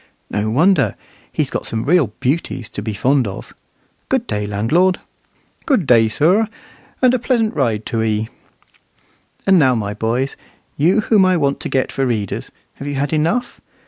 "No wonder. He's got some real beauties to be fond of. Good day, landlord." "Good day, sir, and a pleasant ride to 'ee." And now, my boys, you whom I want to get for readers, have you had enough?